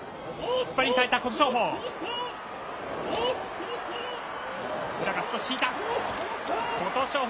突っ張りに耐えた琴勝峰。